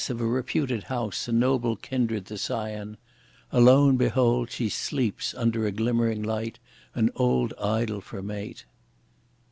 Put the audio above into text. of a reputed house and noble kindred the scion, Alone, behold! she sleeps under a glimmering light, an old idol for mate.